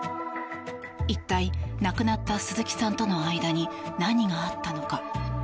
一体亡くなった鈴木さんとの間に何があったのか。